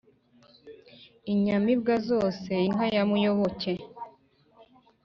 Inyamibwa zose inka ya Muyoboke